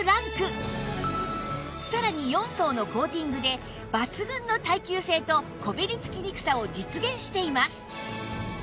さらに４層のコーティングで抜群の耐久性とこびりつきにくさを実現しています